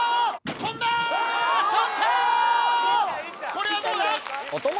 これはどうだ？